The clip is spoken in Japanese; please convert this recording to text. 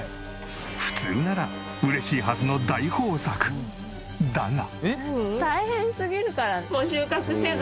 普通なら嬉しいはずの大豊作！だが。